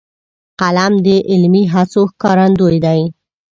قلم د علمي هڅو ښکارندوی دی